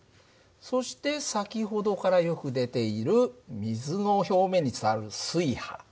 そして先ほどからよく出ている水の表面に伝わる水波。